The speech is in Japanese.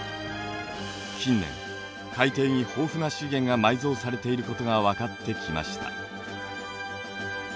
近年海底に豊富な資源が埋蔵されていることが分かってきました。